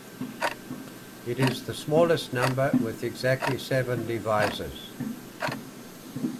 It is the smallest number with exactly seven divisors.